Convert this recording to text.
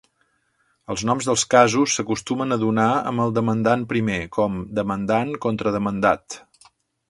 Els noms dels casos s'acostumen a donar amb el demandant primer, com "Demandant contra demandat".